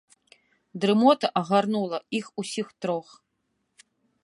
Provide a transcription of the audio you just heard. Дрымота агарнула іх усіх трох.